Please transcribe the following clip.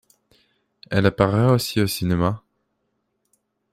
Elle apparaît aussi au cinéma.